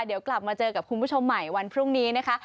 เดี๋ยวกลับมาเจอกับคุณผู้ชมใหม่วันพรุ่งนี้นะคะ